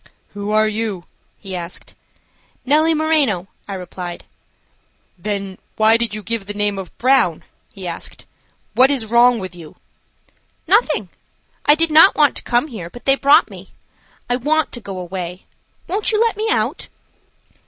"Who are you?" he asked. "Nellie Moreno," I replied. "Then why did you give the name of Brown?" he asked. "What is wrong with you?" "Nothing. I did not want to come here, but they brought me. I want to go away. Won't you let me out?"